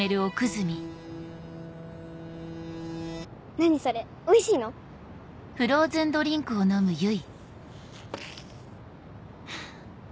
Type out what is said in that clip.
何それおいしいの？ハァ。